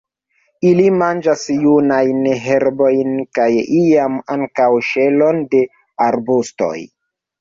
Ili manĝas junajn herbojn, kaj iam ankaŭ ŝelon de arbustoj.